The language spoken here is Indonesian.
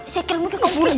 saya kira mungkin keburi